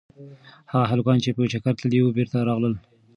هغه هلکان چې په چکر تللي وو بېرته راغلل.